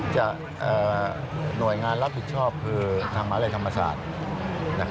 จะหน่วยงานรับผิดชอบคือทางมาเรียกธรรมศาสน์